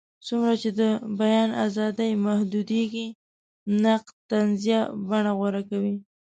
څومره چې د بیان ازادي محدودېږي، نقد طنزي بڼه غوره کوي.